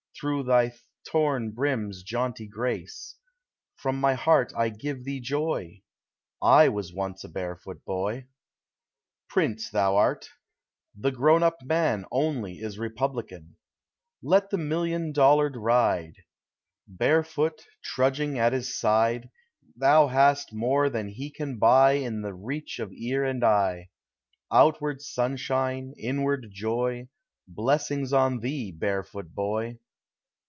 Through thy torn brim's jaunty grace; From my heart I give thee joy, — I was once a barefoot boy ! Prince thou art, — the grown up man Digitized by Goog[ ? ABOUT CHILDREN. Only is republican. Let the niillion dollared ride! Barefoot, trudging at his side, Thou hast more than he can buy In the reach of ear and eye — Outward sunshine, inward joy: Blessings on thee, barefoot boy!